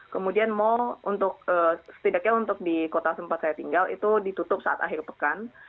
kemudian mal untuk setidaknya untuk di kota tempat saya tinggal itu ditutup saat akhir pekan